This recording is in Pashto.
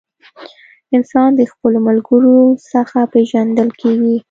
انسان د خپلو ملګرو څخه پیژندل کیږي.